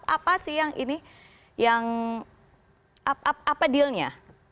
apa sih yang ini yang apa dealnya